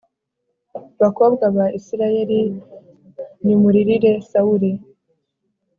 Bakobwa ba Isirayeli, nimuririre Sawuli